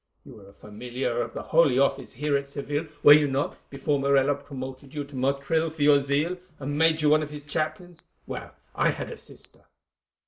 You were a familiar of the Holy Office here at Seville—were you not?—before Morella promoted you to Motril for your zeal, and made you one of his chaplains? Well, I had a sister."